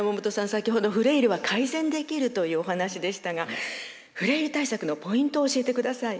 先ほどフレイルは改善できるというお話でしたがフレイル対策のポイントを教えてください。